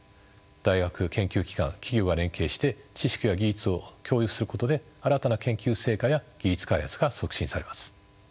大学研究機関企業が連携して知識や技術を共有することで新たな研究成果や技術開発が促進されます。